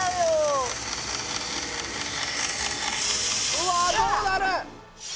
うわどうなる？